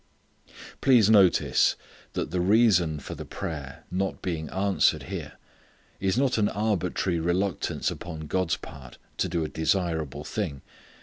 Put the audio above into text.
Please notice that the reason for the prayer not being answered here is not an arbitrary reluctance upon God's part to do a desirable thing.